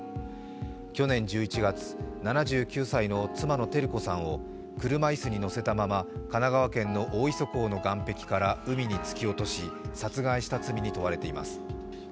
去年１１月、７９歳の妻の照子さんを車椅子に乗せたまま神奈川県の大磯港の岸壁から海に突き落とし殺害した罪に問われています。